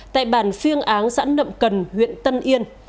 tại bàn phiêng áng giãn nậm cần huyện tân yên